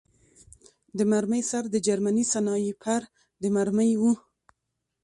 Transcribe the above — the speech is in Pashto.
د مرمۍ سر د جرمني سنایپر د مرمۍ و